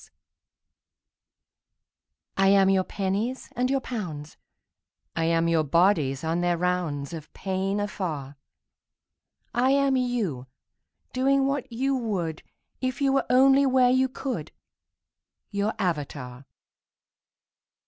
188 AUXILIARIES I am your pennies and your pounds; I am your bodies on their rounds Of pain afar; I am you, doing what you would If you were only where you could —■ Your avatar.